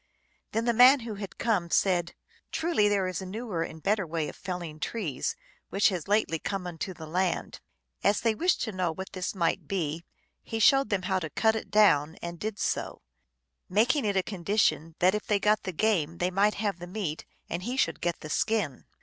Then the man who had come said, " Truly there is a newer and better way of felling trees, which has lately come into the land." As they wished to know what this might be, he showed them how to cut it down, and did so ; making it a condition that if they got the game they might have the meat and he should get the skin.